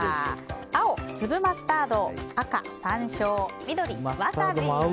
青、粒マスタード赤、さんしょう緑、ワサビ。